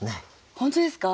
本当ですか？